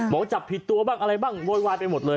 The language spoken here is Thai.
บอกจับผิดตัวบ้างอะไรบ้างโวยวายไปหมดเลย